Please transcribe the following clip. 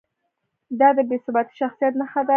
دا د بې ثباته شخصیت نښه ده.